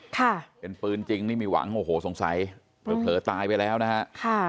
ค่ะเป็นปืนจริงนี่มีหวังโอ้โหสงสัยเผลอตายไปแล้วนะฮะค่ะ